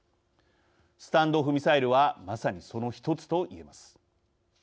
スタンド・オフ・ミサイルはまさにその１つと言えます。